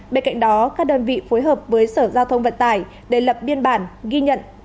bên cạnh đó các đơn vị phối hợp với sở giao thông vận tải để lập biên bản ghi nhận